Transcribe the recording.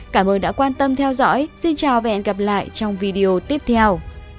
cảm ơn đã quan tâm theo dõi xin chào và hẹn gặp lại trong video tiếp theo